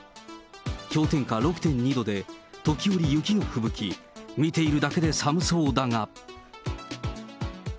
氷点下６．２度で、時折雪がふぶき、見ているだけで寒そうだが。